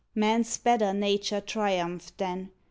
Man's better nature triumphed then.